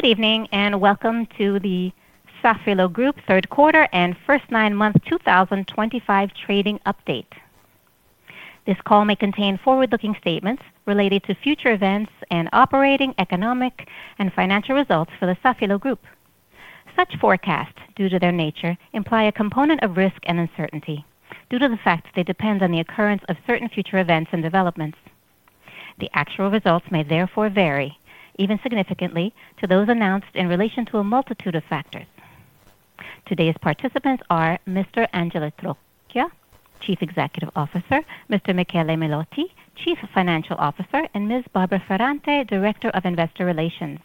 Good evening and Welcome to the Safilo Group third quarter and first nine months 2025 trading update. This call may contain forward-looking statements related to future events and operating, economic, and financial results for the Safilo Group. Such forecasts, due to their nature, imply a component of risk and uncertainty, due to the fact that they depend on the occurrence of certain future events and developments. The actual results may therefore vary, even significantly, to those announced in relation to a multitude of factors. Today's participants are Mr. Angelo Trocchia, Chief Executive Officer, Mr. Michele Melotti, Chief Financial Officer, and Ms. Barbara Ferrante, Director of Investor Relations.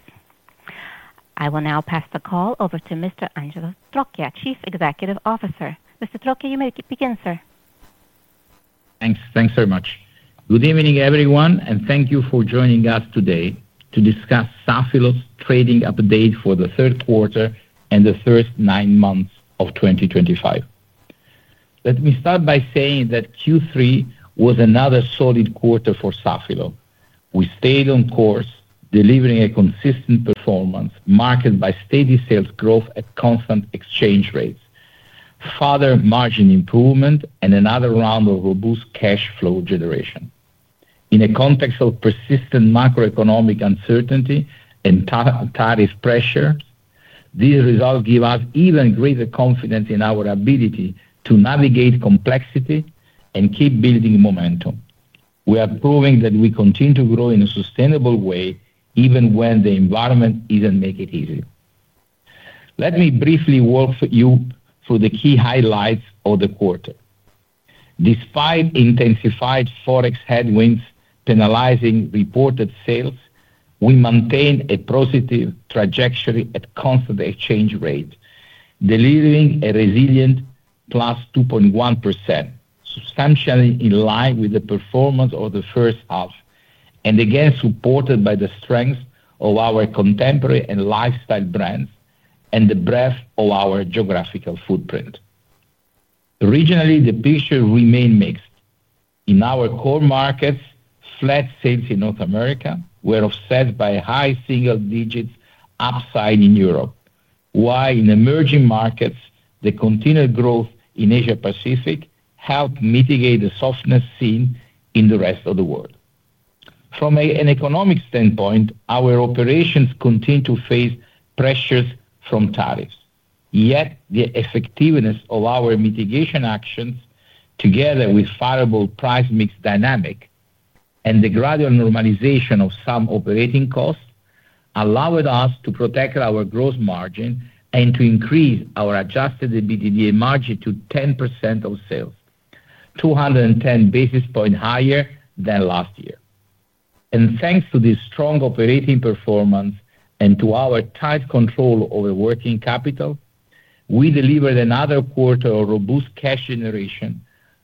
I will now pass the call over to Mr. Angelo Trocchia, Chief Executive Officer. Mr. Trocchia, you may begin, sir. Thanks. Thanks very much. Good evening, everyone, and thank you for joining us today to discuss Safilo's trading update for the third quarter and the first nine months of 2025. Let me start by saying that Q3 was another solid quarter for Safilo. We stayed on course, delivering a consistent performance marked by steady sales growth at constant exchange rates, further margin improvement, and another round of robust cash flow generation. In a context of persistent macroeconomic uncertainty and tariff pressure. These results give us even greater confidence in our ability to navigate complexity and keep building momentum. We are proving that we continue to grow in a sustainable way, even when the environment isn't making it easy. Let me briefly walk you through the key highlights of the quarter. Despite intensified forex headwinds penalizing reported sales, we maintained a positive trajectory at constant exchange rates, delivering a resilient +2.1%. Substantially in line with the performance of the first half and again supported by the strengths of our contemporary and lifestyle brands and the breadth of our geographical footprint. Regionally, the picture remained mixed. In our core markets, flat sales in North America were offset by high single-digit upside in Europe, while in emerging markets, the continued growth in Asia-Pacific helped mitigate the softness seen in the rest of the world. From an economic standpoint, our operations continued to face pressures from tariffs. Yet the effectiveness of our mitigation actions, together with a viable price-mix dynamic and the gradual normalization of some operating costs, allowed us to protect our gross margin and to increase our Adjusted EBITDA margin to 10% of sales, 210 basis points higher than last year. And thanks to this strong operating performance and to our tight control over working capital, we delivered another quarter of robust cash generation.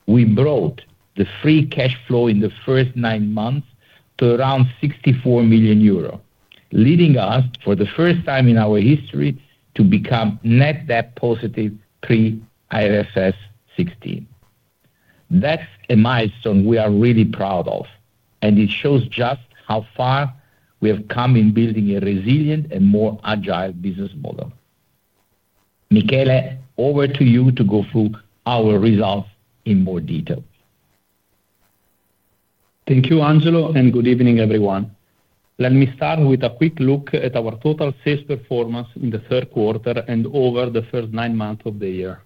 We brought the Free Cash Flow in the first nine months to around 64 million euro, leading us, for the first time in our history, to become net debt positive pre-IFRS 16. That's a milestone we are really proud of, and it shows just how far we have come in building a resilient and more agile business model. Michele, over to you to go through our results in more detail. Thank you, Angelo, and good evening, everyone. Let me start with a quick look at our total sales performance in the third quarter and over the first nine months of the year.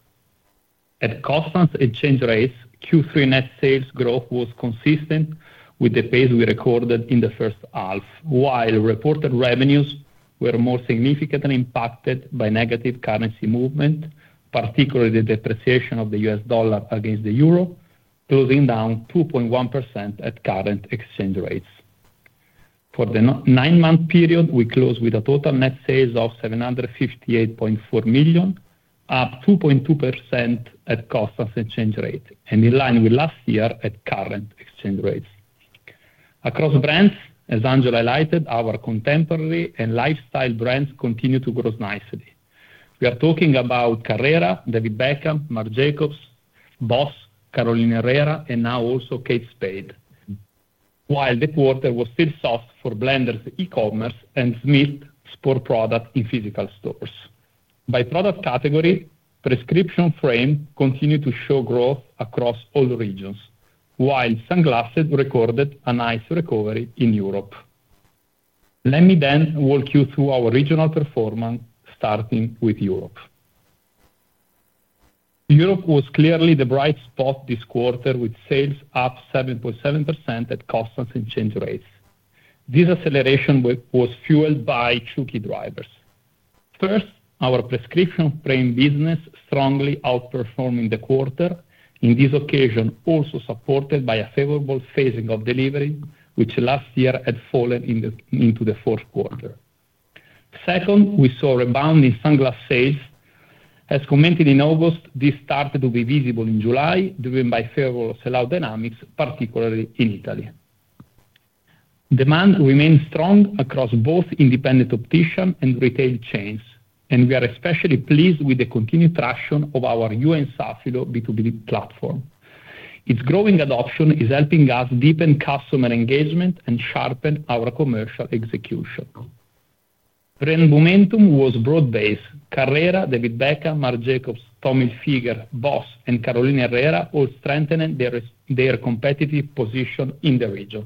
At constant exchange rates, Q3 net sales growth was consistent with the pace we recorded in the first half, while reported revenues were more significantly impacted by negative currency movement, particularly the depreciation of the U.S. dollar against the euro, closing down 2.1% at current exchange rates. For the nine-month period, we closed with a total net sales of 758.4 million, up 2.2% at constant exchange rate, and in line with last year at current exchange rates. Across brands, as Angelo highlighted, our contemporary and lifestyle brands continue to grow nicely. We are talking about Carrera, David Beckham, Marc Jacobs, BOSS, Carolina Herrera, and now also Kate Spade. While the quarter was still soft for Blenders e-commerce and Smith's sports products in physical stores. By product category, prescription frame continued to show growth across all regions, while sunglasses recorded a nice recovery in Europe. Let me then walk you through our regional performance, starting with Europe. Europe was clearly the bright spot this quarter, with sales up 7.7% at constant exchange rates. This acceleration was fueled by two key drivers. First, our prescription frame business strongly outperformed in the quarter, in this occasion also supported by a favorable phasing of delivery, which last year had fallen into the fourth quarter. Second, we saw a rebound in sunglass sales. As commented in August, this started to be visible in July, driven by favorable sellout dynamics, particularly in Italy. Demand remained strong across both independent opticians and retail chains, and we are especially pleased with the continued traction of our You&Safilo B2B platform. Its growing adoption is helping us deepen customer engagement and sharpen our commercial execution. The momentum was broad-based. Carrera, David Beckham, Marc Jacobs, Tommy Hilfiger, BOSS, and Carolina Herrera all strengthened their competitive position in the region.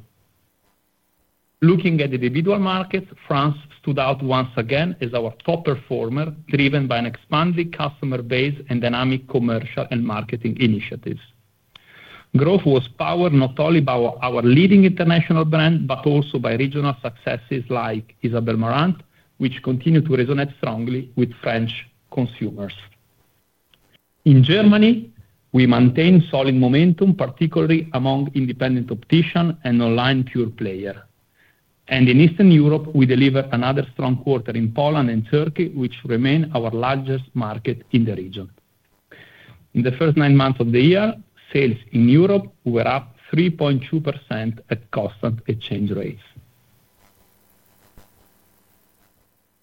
Looking at individual markets, France stood out once again as our top performer, driven by an expanding customer base and dynamic commercial and marketing initiatives. Growth was powered not only by our leading international brand but also by regional successes like Isabel Marant, which continue to resonate strongly with French consumers. In Germany, we maintained solid momentum, particularly among independent opticians and online pure players. And in Eastern Europe, we delivered another strong quarter in Poland and Turkey, which remain our largest market in the region. In the first nine months of the year, sales in Europe were up 3.2% at constant exchange rates.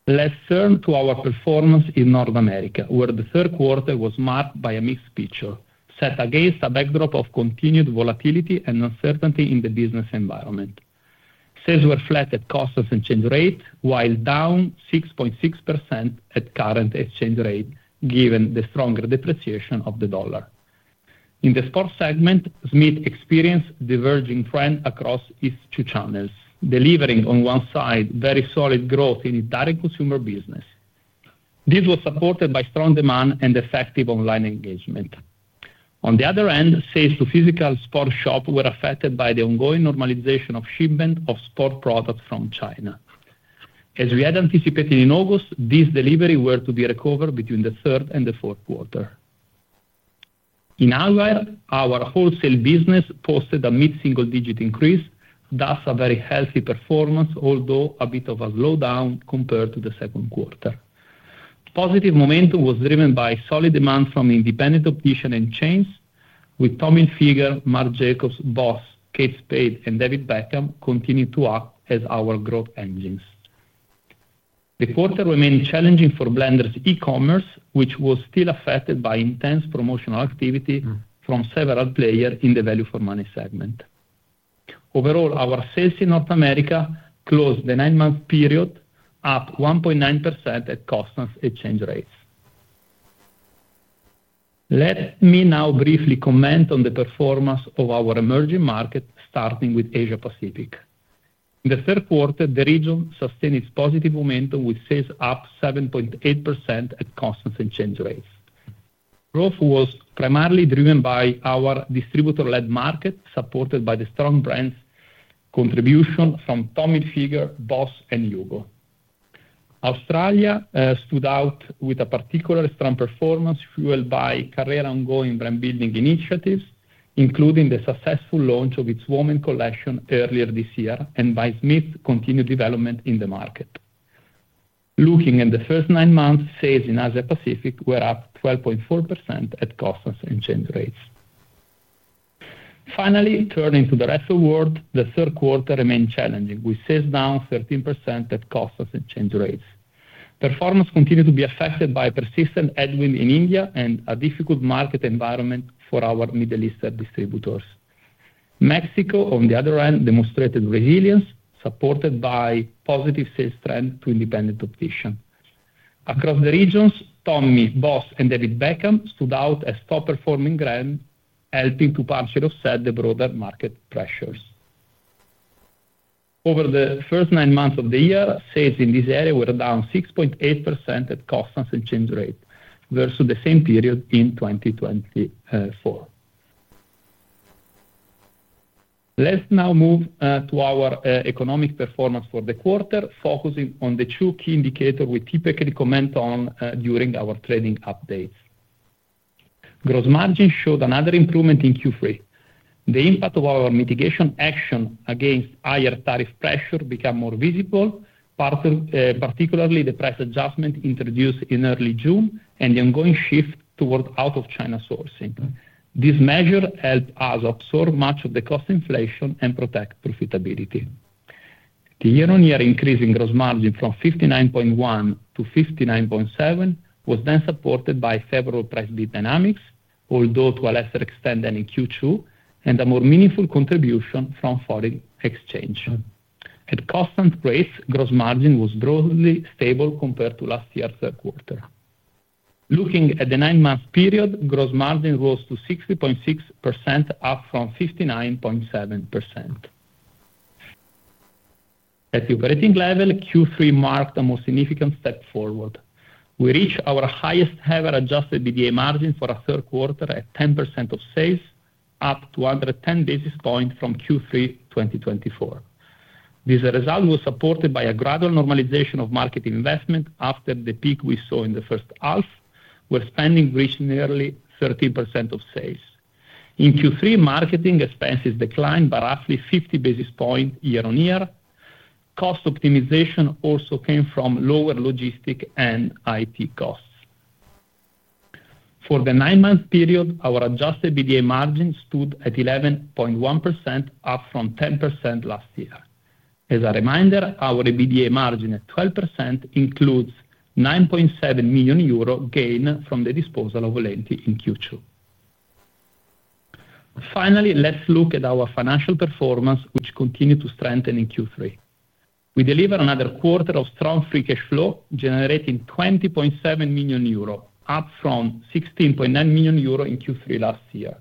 Let's turn to our performance in North America, where the third quarter was marked by a mixed picture, set against a backdrop of continued volatility and uncertainty in the business environment. Sales were flat at constant exchange rate, while down 6.6% at current exchange rate, given the stronger depreciation of the dollar. In the sports segment, Smith experienced a diverging trend across its two channels, delivering on one side very solid growth in its direct consumer business. This was supported by strong demand and effective online engagement. On the other end, sales to physical sports shops were affected by the ongoing normalization of shipment of sport products from China. As we had anticipated in August, these deliveries were to be recovered between the third and the fourth quarter. In our wholesale business, posted a mid-single-digit increase, thus a very healthy performance, although a bit of a slowdown compared to the second quarter. Positive momentum was driven by solid demand from independent opticians and chains, with Tommy Hilfiger, Marc Jacobs, BOSS, Kate Spade, and David Beckham continuing to act as our growth engines. The quarter remained challenging for Blenders e-commerce, which was still affected by intense promotional activity from several players in the value-for-money segment. Overall, our sales in North America closed the nine-month period up 1.9% at constant exchange rates. Let me now briefly comment on the performance of our emerging market, starting with Asia-Pacific. In the third quarter, the region sustained its positive momentum, with sales up 7.8% at constant exchange rates. Growth was primarily driven by our distributor-led market, supported by the strong brands' contribution from Tommy Hilfiger, BOSS, and HUGO. Australia stood out with a particularly strong performance fueled by Carrera's ongoing brand-building initiatives, including the successful launch of its women's collection earlier this year and by Smith's continued development in the market. Looking at the first nine months, sales in Asia-Pacific were up 12.4% at constant exchange rates. Finally, turning to the rest of the world, the third quarter remained challenging, with sales down 13% at constant exchange rates. Performance continued to be affected by persistent headwinds in India and a difficult market environment for our Middle Eastern distributors. Mexico, on the other hand, demonstrated resilience, supported by a positive sales trend to independent opticians. Across the regions, Tommy, BOSS, and David Beckham stood out as top-performing brands, helping to partially offset the broader market pressures. Over the first nine months of the year, sales in this area were down 6.8% at constant exchange rates versus the same period in 2024. Let's now move to our economic performance for the quarter, focusing on the two key indicators we typically comment on during our trading updates. Gross margin showed another improvement in Q3. The impact of our mitigation action against higher tariff pressure became more visible, particularly the price adjustment introduced in early June and the ongoing shift towards out-of-China sourcing. This measure helped us absorb much of the cost inflation and protect profitability. The year-on-year increase in gross margin from 59.1%-59.7% was then supported by favorable price-mix dynamics, although to a lesser extent than in Q2, and a more meaningful contribution from foreign exchange. At constant rates, gross margin was broadly stable compared to last year's third quarter. Looking at the nine-month period, gross margin rose to 60.6%, up from 59.7%. At the operating level, Q3 marked a more significant step forward. We reached our highest-ever Adjusted EBITDA margin for a third quarter at 10% of sales, up 210 basis points from Q3 2024. This result was supported by a gradual normalization of market investment after the peak we saw in the first half, where spending reached nearly 13% of sales. In Q3, marketing expenses declined by roughly 50 basis points year-on-year. Cost optimization also came from lower logistics and IT costs. For the nine-month period, our Adjusted EBITDA margin stood at 11.1%, up from 10% last year. As a reminder, our EBITDA margin at 12% includes 9.7 million euro gain from the disposal of Lenti in Q2. Finally, let's look at our financial performance, which continued to strengthen in Q3. We delivered another quarter of strong free cash flow, generating 20.7 million euro, up from 16.9 million euro in Q3 last year.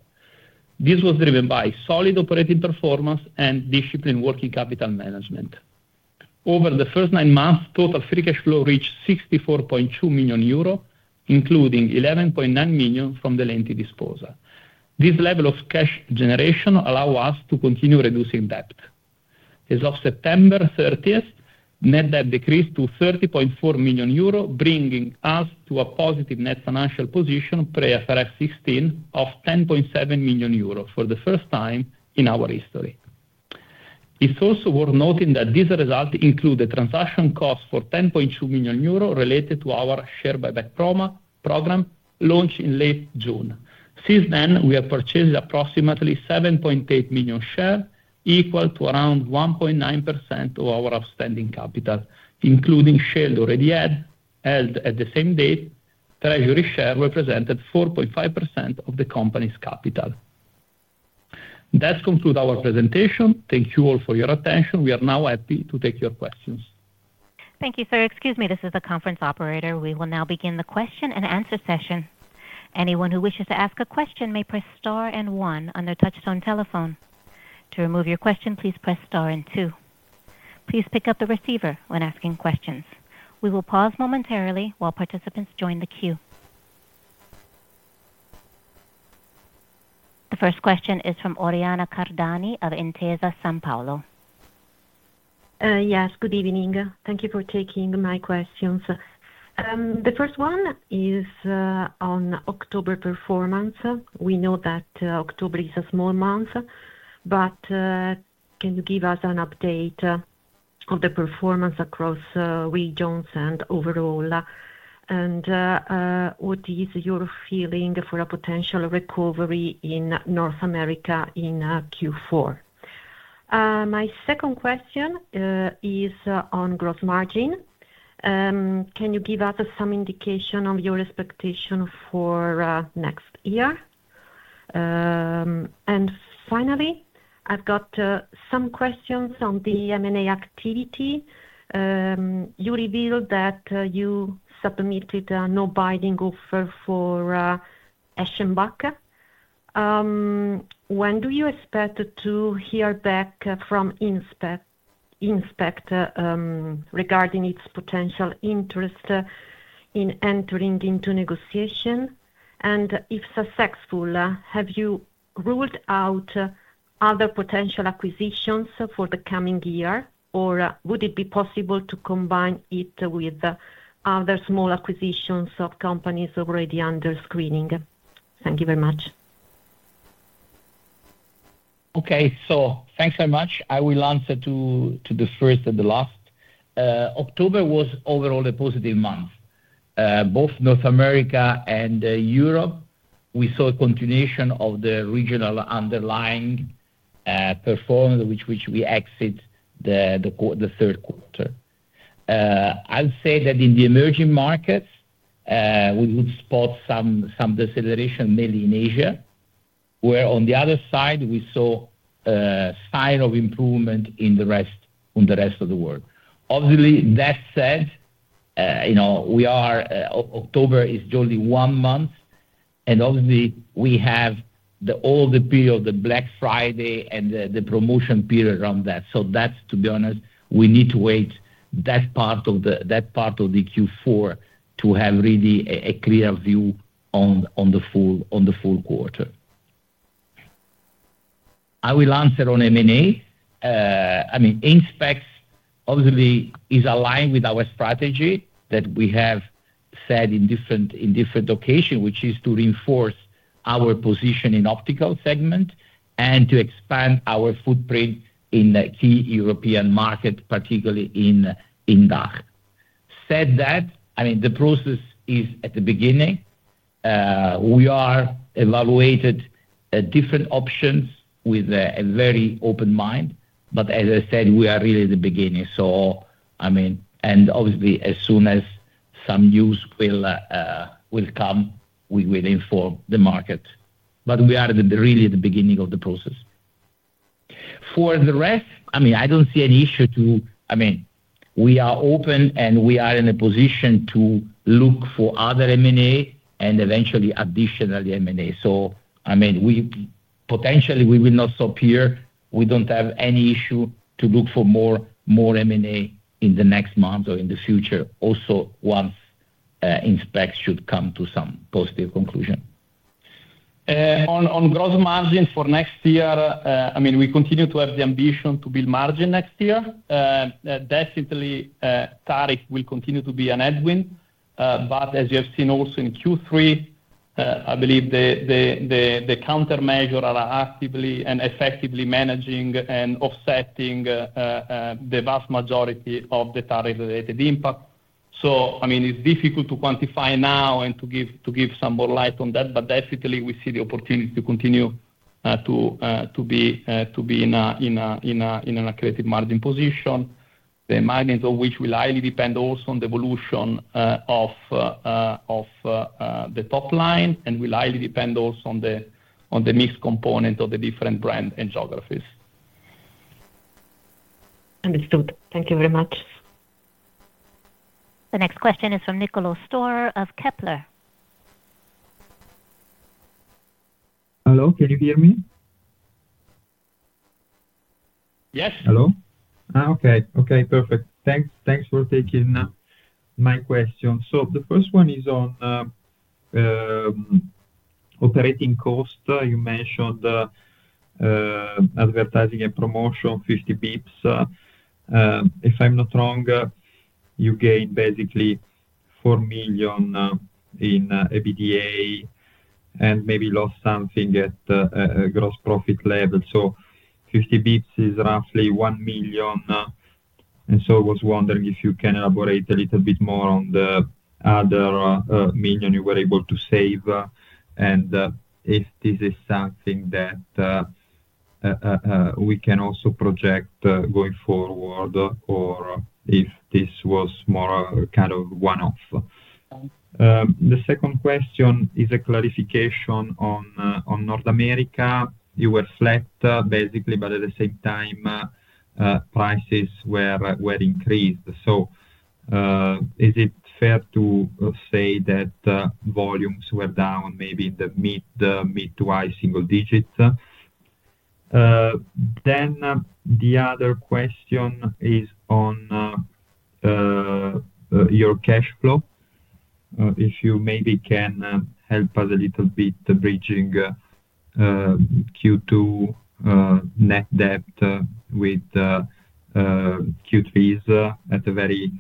This was driven by solid operating performance and disciplined working capital management. Over the first nine months, total free cash flow reached 64.2 million euro, including 11.9 million from the Lenti disposal. This level of cash generation allowed us to continue reducing debt. As of September 30, net debt decreased to 30.4 million euro, bringing us to a positive net financial position pre-IFRS 16 of 10.7 million euro for the first time in our history. It's also worth noting that this result includes the transaction costs for 10.2 million euro related to our share buyback program launched in late June. Since then, we have purchased approximately 7.8 million shares, equal to around 1.9% of our outstanding capital, including shares already held at the same date. Treasury shares represented 4.5% of the company's capital. That concludes our presentation. Thank you all for your attention. We are now happy to take your questions. Thank you, sir. Excuse me, this is the conference operator. We will now begin the question-and-answer session. Anyone who wishes to ask a question may press star and one on their touch-tone telephone. To remove your question, please press star and two. Please pick up the receiver when asking questions. We will pause momentarily while participants join the queue. The first question is from Oriana Cardani of Intesa Sanpaolo. Yes, good evening. Thank you for taking my questions. The first one is on October performance. We know that October is a small month, but can you give us an update on the performance across regions and overall? And what is your feeling for a potential recovery in North America in Q4? My second question is on gross margin. Can you give us some indication of your expectation for next year? And finally, I've got some questions on the M&A activity. You revealed that you submitted a non-binding offer for Eschenbach. When do you expect to hear back from Eschenbach regarding its potential interest in entering into negotiation? And if successful, have you ruled out other potential acquisitions for the coming year, or would it be possible to combine it with other small acquisitions of companies already under screening? Thank you very much. Okay, so thanks very much. I will answer to the first and the last. October was overall a positive month. Both North America and Europe, we saw a continuation of the regional underlying performance, which we exited the third quarter. I'd say that in the emerging markets. We would spot some deceleration, mainly in Asia, where, on the other side, we saw a sign of improvement in the rest of the world. Obviously, that said. We are, October is only one month, and obviously, we have all the period, the Black Friday and the promotion period around that. So that's, to be honest, we need to wait that part of the Q4 to have really a clear view on the full quarter. I will answer on M&A. I mean, Eschenbach obviously is aligned with our strategy that we have said in different occasions, which is to reinforce our position in the optical segment and to expand our footprint in key European markets, particularly in DACH. Said that, I mean, the process is at the beginning. We are evaluating different options with a very open mind, but as I said, we are really at the beginning. So, I mean, and obviously, as soon as some news will come, we will inform the market. But we are really at the beginning of the process. For the rest, I mean, I don't see any issue to, I mean, we are open and we are in a position to look for other M&A and eventually additional M&A. So, I mean, potentially, we will not stop here. We don't have any issue to look for more M&A in the next month or in the future, also once Eschenbach should come to some positive conclusion. On gross margin for next year, I mean, we continue to have the ambition to build margin next year. Definitely, tariffs will continue to be a headwind. But as you have seen also in Q3. I believe the countermeasure are actively and effectively managing and offsetting the vast majority of the tariff-related impact. So, I mean, it's difficult to quantify now and to give some more light on that, but definitely we see the opportunity to continue to be in an accretive margin position. The margins of which will highly depend also on the evolution of the top line and will highly depend also on the mix component of the different brand and geographies. Understood. Thank you very much. The next question is from Nicolò Storer of Kepler. Hello, can you hear me? Yes. Hello. Okay, perfect. Thanks for taking my question. So the first one is on operating cost. You mentioned advertising and promotion, 50 basis points. If I'm not wrong, you gained basically EUR 4 million in Adjusted EBITDA and maybe lost something at a gross profit level. So 50 basis points is roughly 1 million. And so I was wondering if you can elaborate a little bit more on the other million you were able to save. And if this is something that we can also project going forward or if this was more kind of one-off. The second question is a clarification on North America. You were flat basically, but at the same time prices were increased. So is it fair to say that volumes were down, maybe the mid to high single digits? Then the other question is on your cash flow. If you maybe can help us a little bit bridging Q2 net debt with Q3's at a very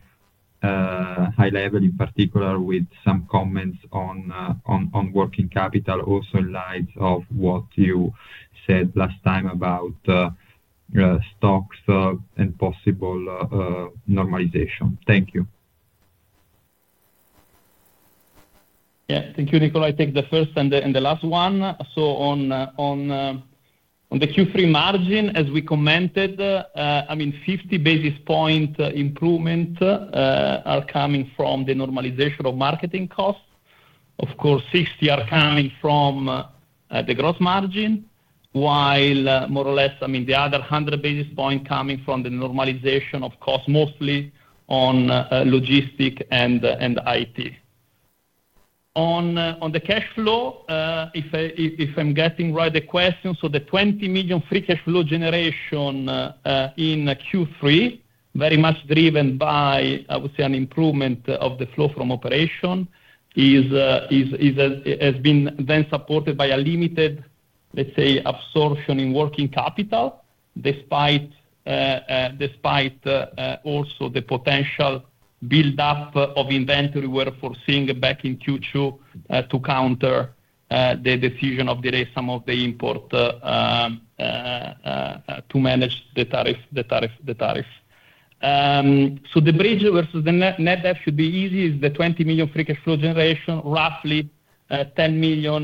high level, in particular with some comments on working capital, also in light of what you said last time about stocks and possible normalization. Thank you. Yeah, thank you, Nicolò. I take the first and the last one. So on the Q3 margin, as we commented, I mean, 50 basis point improvements are coming from the normalization of marketing costs. Of course, 60 basis points are coming from the gross margin, while more or less, I mean, the other 100 basis points coming from the normalization of costs, mostly on logistics and IT. On the cash flow, if I'm getting right the question, so the 20 million Free Cash Flow generation in Q3, very much driven by, I would say, an improvement of the flow from operation, has been then supported by a limited, let's say, absorption in working capital, despite also the potential build-up of inventory we're foreseeing back in Q2 to counter the decision of delay some of the import to manage the tariffs. So the bridge versus the net debt should be easy. It's the 20 million free cash flow generation, roughly 10 million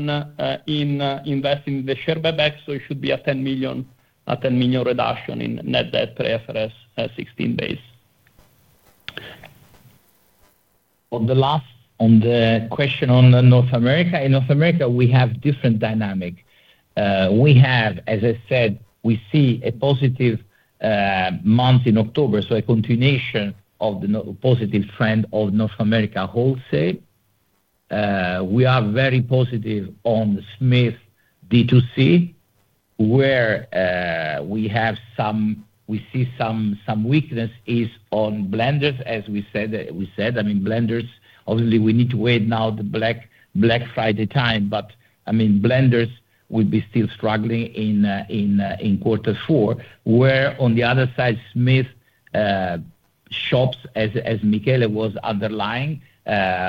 in investing in the share buyback. So it should be a 10 million reduction in net debt pre-IFRS 16. On the last, on the question on North America, in North America, we have a different dynamic. We have, as I said, we see a positive month in October, so a continuation of the positive trend of North America wholesale. We are very positive on Smith D2C. Where we have some, we see some weakness is on Blenders as we said. I mean, Blenders obviously, we need to wait now the Black Friday time, but I mean, Blenders would be still struggling in quarter four, where on the other side, Smith Shops, as Michele was underlying,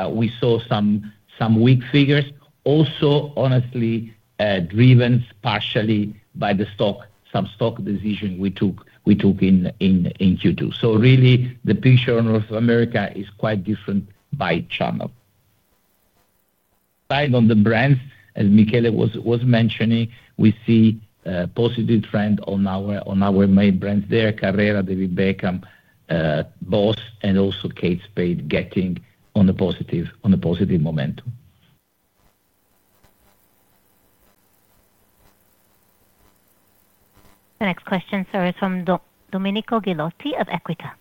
we saw some weak figures. Also, honestly driven partially by the stock, some stock decision we took in Q2. So really, the picture in North America is quite different by channel. Aside on the brands, as Michele was mentioning, we see a positive trend on our main brands, there, Carrera, David Beckham. BOSS, and also Kate Spade getting on a positive momentum. The next question, sir, is from Domenico Ghilotti of Equita.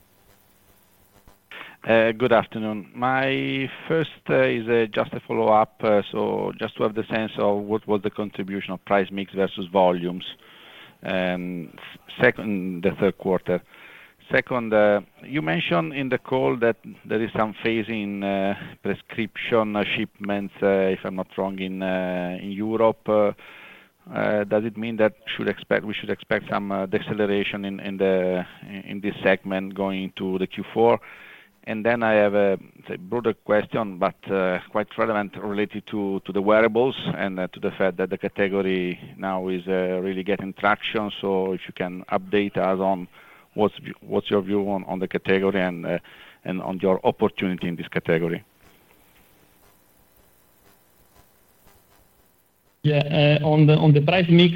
Good afternoon. My first is just a follow-up, so just to have the sense of what was the contribution of price mix versus volumes. The third quarter. Second, you mentioned in the call that there is some phasing in prescription shipments, if I'm not wrong, in Europe. Does it mean that we should expect some deceleration in this segment going to the Q4? And then I have a broader question, but quite relevant related to the wearables and to the fact that the category now is really getting traction. So if you can update us on what's your view on the category and on your opportunity in this category. Yeah, on the price mix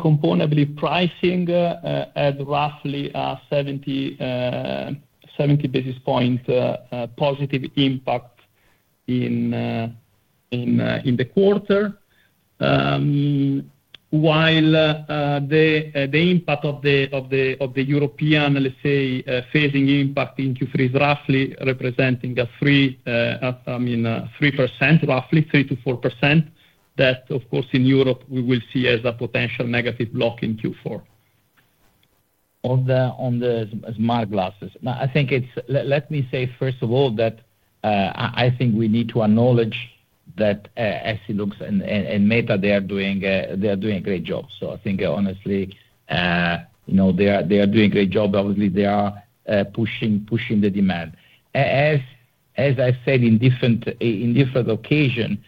component, I believe pricing at roughly 70 basis points positive impact in the quarter. While the impact of the European, let's say, phasing impact in Q3 is roughly representing a 3%, roughly 3%-4%, that, of course, in Europe, we will see as a potential negative block in Q4. On the smart glasses. Now, I think it's, let me say, first of all, that. I think we need to acknowledge that EssilorLuxottica and Meta, they are doing a great job. So I think, honestly. They are doing a great job. Obviously, they are pushing the demand. As I said in different occasions,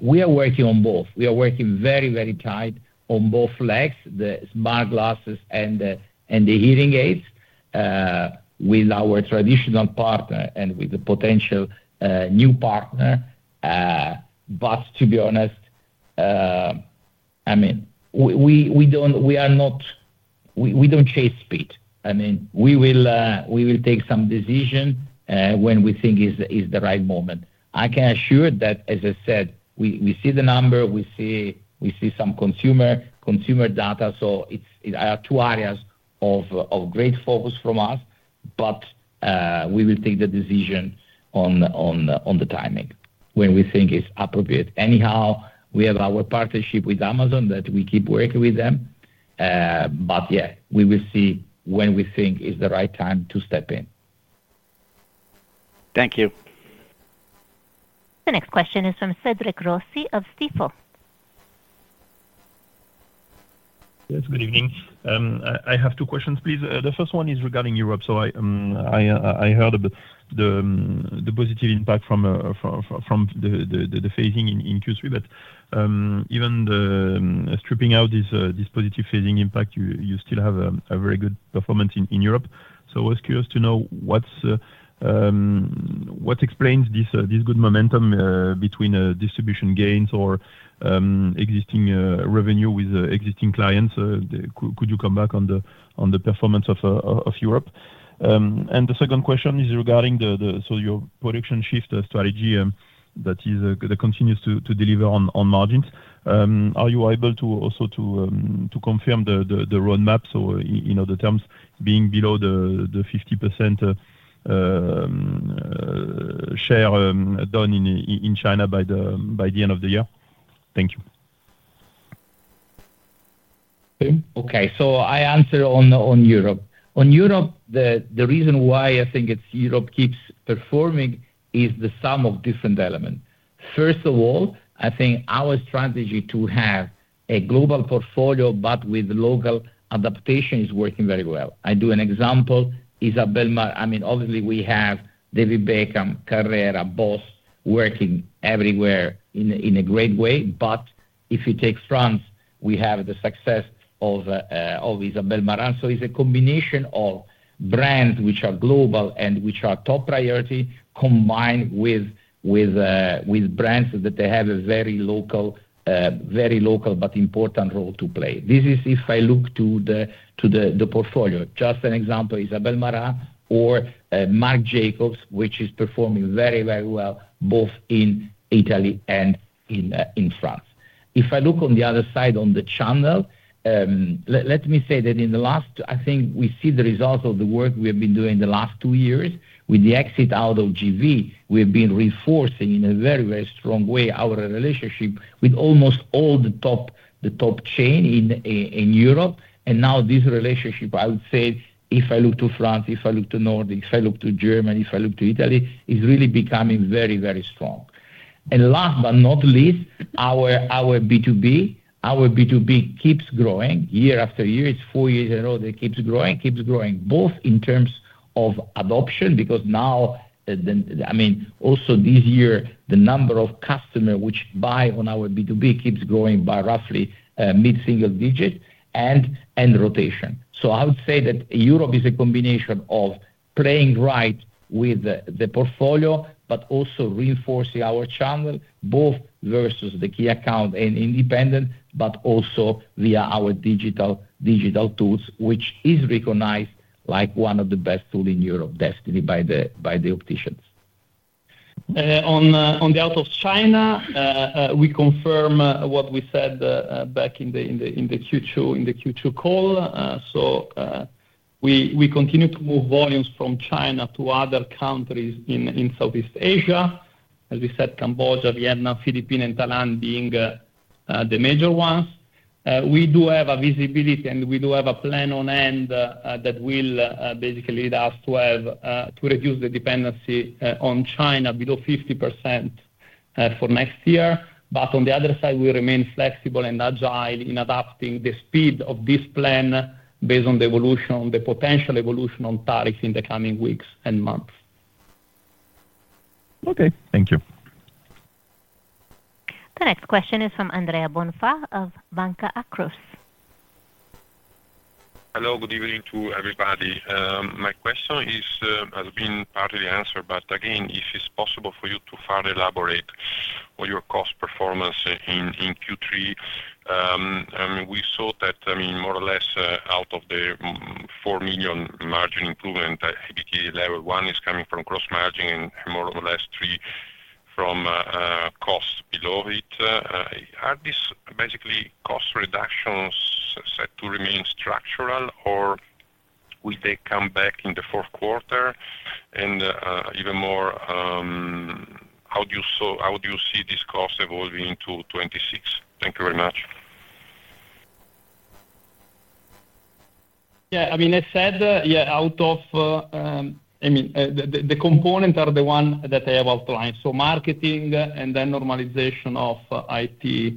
we are working on both. We are working very, very tight on both legs, the smart glasses and the hearing aids. With our traditional partner and with the potential new partner. But to be honest. I mean. We are not. We don't chase speed. I mean, we will take some decision when we think is the right moment. I can assure that, as I said, we see the number, we see some consumer data. So there are two areas of great focus from us, but. We will take the decision on the timing when we think is appropriate. Anyhow, we have our partnership with Amazon that we keep working with them. But yeah, we will see when we think is the right time to step in. Thank you. The next question is from Cédric Rossi of Stifel. Yes, good evening. I have two questions, please. The first one is regarding Europe. So, I heard the positive impact from the phasing in Q3, but even stripping out this positive phasing impact, you still have a very good performance in Europe. So I was curious to know what explains this good momentum between distribution gains or existing revenue with existing clients. Could you come back on the performance of Europe? And the second question is regarding your production shift strategy that continues to deliver on margins. Are you able to also confirm the roadmap? So in other terms, being below the 50% share done in China by the end of the year? Thank you. Okay, so I answer on Europe. On Europe, the reason why I think Europe keeps performing is the sum of different elements. First of all, I think our strategy to have a global portfolio, but with local adaptation, is working very well. I do an example, Isabel Marant. I mean, obviously, we have David Beckham, Carrera, BOSS, working everywhere in a great way. But if you take France, we have the success of Isabel Marant. So it's a combination of brands which are global and which are top priority combined with brands that they have a very local, very local but important role to play. This is if I look to the portfolio. Just an example, Isabel Marant or Marc Jacobs, which is performing very, very well both in Italy and in France. If I look on the other side on the channel, let me say that in the last, I think we see the results of the work we have been doing the last two years with the exit out of GV. We have been reinforcing in a very, very strong way our relationship with almost all the top chain in Europe. And now this relationship, I would say, if I look to France, if I look to Norway, if I look to Germany, if I look to Italy, is really becoming very, very strong. And last but not least, our B2B, our B2B keeps growing year after year. It's four years in a row that it keeps growing, keeps growing both in terms of adoption, because now, I mean, also this year, the number of customers which buy on our B2B keeps growing by roughly mid-single digit and rotation. So I would say that Europe is a combination of playing right with the portfolio, but also reinforcing our channel both versus the key account and independent, but also via our digital tools, which is recognized like one of the best tools in Europe, adopted by the opticians. On the out of China, we confirm what we said back in the Q2 call. So we continue to move volumes from China to other countries in Southeast Asia, as we said, Cambodia, Vietnam, Philippines, and Thailand being the major ones. We do have a visibility and we do have a plan on hand that will basically lead us to reduce the dependency on China below 50% for next year. But on the other side, we remain flexible and agile in adapting the speed of this plan based on the potential evolution on tariffs in the coming weeks and months. Okay, thank you. The next question is from Andrea Bonfà of Banca Akros. Hello, good evening to everybody. My question has been partly answered, but again, if it's possible for you to further elaborate on your cost performance in Q3. We saw that, I mean, more or less out of the 4 million margin improvement, at the EBIT level one is coming from gross margin and more or less three from cost below it. Are these basically cost reductions set to remain structural or will they come back in the fourth quarter? Even more, how do you see this cost evolving to 2026? Thank you very much. Yeah, I mean, I said, yeah. I mean, the components are the ones that I have outlined. So marketing and then normalization of IT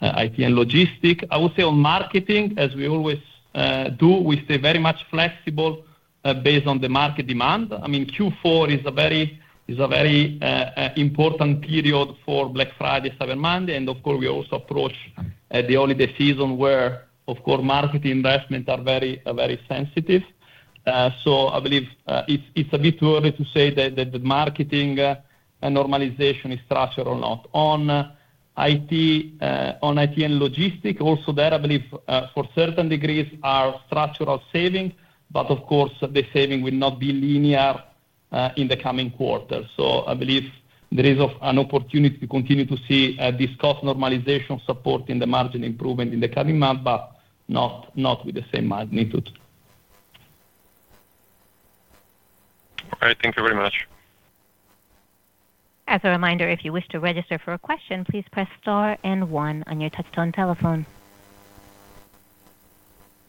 and logistics. I would say on marketing, as we always do, we stay very much flexible based on the market demand. I mean, Q4 is a very important period for Black Friday, Cyber Monday. And of course, we also approach the holiday season where, of course, marketing investments are very sensitive. So I believe it's a bit early to say that the marketing and normalization is structural or not. On IT and logistics, also there, I believe, to a certain degree, are structural savings, but of course, the savings will not be linear in the coming quarters. So I believe there is an opportunity to continue to see this cost normalization support in the margin improvement in the coming months, but not with the same magnitude. All right, thank you very much. As a reminder, if you wish to register for a question, please press star and one on your touchtone telephone.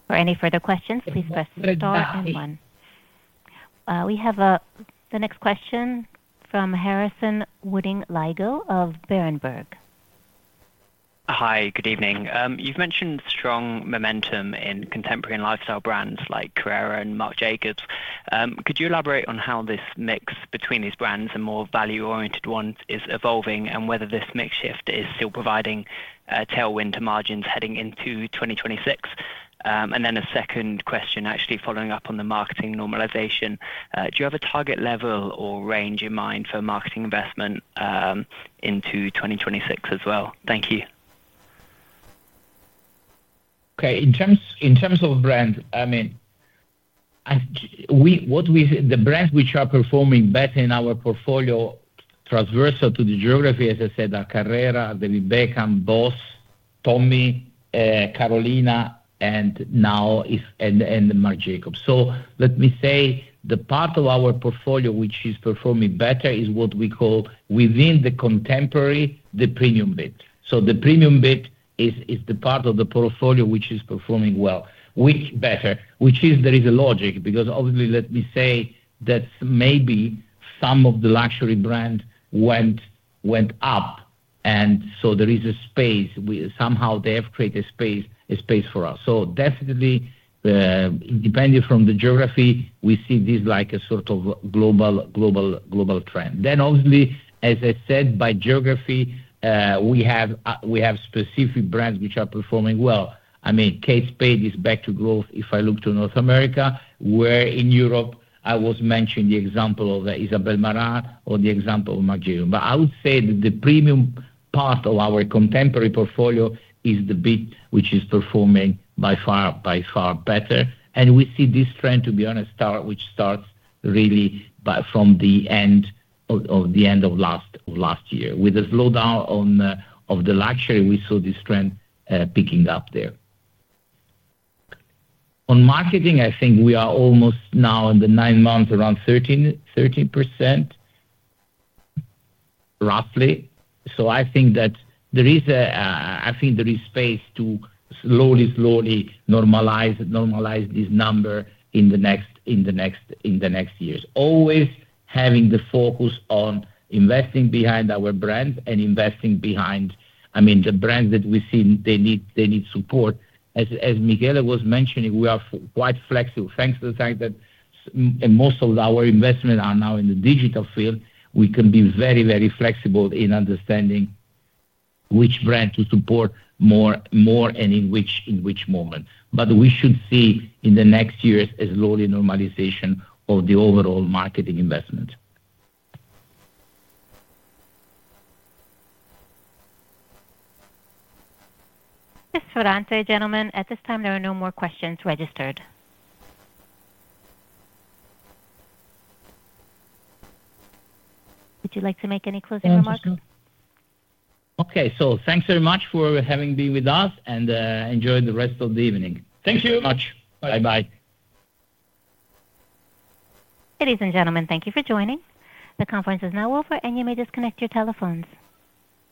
For any further questions, please press star and one. We have the next question from Harrison Woodin-Lygo of Berenberg. Hi, good evening. You've mentioned strong momentum in contemporary and lifestyle brands like Carrera and Marc Jacobs. Could you elaborate on how this mix between these brands and more value-oriented ones is evolving and whether this mix shift is still providing tailwind to margins heading into 2026? And then a second question, actually following up on the marketing normalization. Do you have a target level or range in mind for marketing investment into 2026 as well? Thank you. Okay, in terms of brands, I mean, the brands which are performing better in our portfolio transversal to the geography, as I said, Carrera, David Beckham, BOSS, Tommy, Carolina, and now Marc Jacobs. So let me say the part of our portfolio which is performing better is what we call within the contemporary, the premium bit. So the premium bit is the part of the portfolio which is performing better, which is there is a logic because obviously, let me say that maybe some of the luxury brands went up, and so there is a space. Somehow they have created a space for us. So definitely, depending from the geography, we see this like a sort of global trend. Then obviously, as I said, by geography, we have specific brands which are performing well. I mean, Kate Spade is back to growth if I look to North America, where in Europe, I was mentioning the example of Isabel Marant or the example of Marc Jacobs. But I would say that the premium part of our contemporary portfolio is the bit which is performing by far better. And we see this trend, to be honest, which starts really from the end of last year. With the slowdown of the luxury, we saw this trend picking up there. On marketing, I think we are almost now in the nine months, around 13%. Roughly. So I think that there is a space to slowly, slowly normalize this number in the next year. Always having the focus on investing behind our brands and investing behind, I mean, the brands that we see, they need support. As Michele was mentioning, we are quite flexible. Thanks to the fact that most of our investments are now in the digital field, we can be very, very flexible in understanding which brand to support more and in which moment. But we should see in the next years a slowly normalization of the overall marketing investment. Thats it, gentlemen, at this time, there are no more questions registered. Would you like to make any closing remarks? Okay, so thanks very much for having been with us and enjoy the rest of the evening. Thank you so much. Bye-bye. Ladies and gentlemen, thank you for joining. The conference is now over, and you may disconnect your telephones.